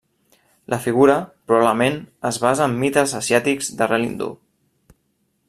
La figura, probablement, es basa en mites asiàtics d'arrel hindú.